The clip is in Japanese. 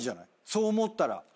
そう思ったら。